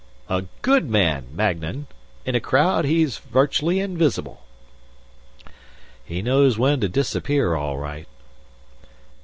"A good man, Magnan. In a crowd, he's virtually invisible." "He knows when to disappear all right."